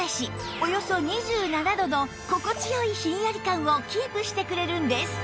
およそ２７度の心地よいひんやり感をキープしてくれるんです